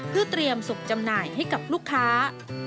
เพื่อเตรียมสุกจำหน่ายให้กับลูกค้า